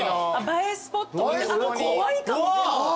映えスポット怖いかも。